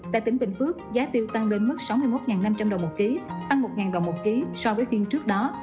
tại tỉnh bình phước giá tiêu tăng lên mức sáu mươi một năm trăm linh đồng một ký tăng một đồng một ký so với phiên trước đó